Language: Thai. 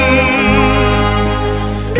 รักทั้งหมุนทั้งหมุนทั้งหมุน